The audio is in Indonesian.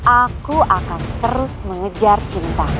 aku akan terus mengejar cintaku